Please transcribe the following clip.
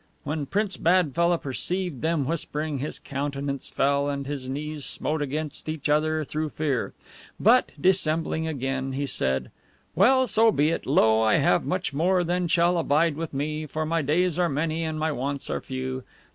When Prince BADFELLAH perceived them whispering, his countenance fell, and his knees smote against each other through fear; but, dissembling again, he said: "Well, so be it! Lo, I have much more than shall abide with me, for my days are many and my wants are few.